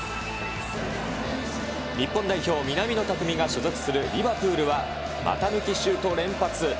日本代表、南野拓実が所属するリバプールは、股抜きシュート連発。